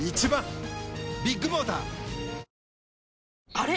あれ？